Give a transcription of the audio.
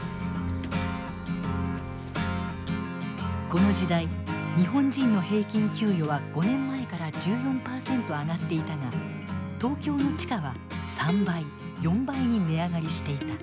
この時代日本人の平均給与は５年前から１４％上がっていたが東京の地価は３倍４倍に値上がりしていた。